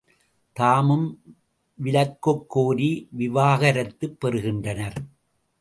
தாமும் விலக்குக் கோரி விவாகரத்துப் பெறுகின்றனர்.